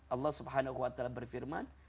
allah swt berfirman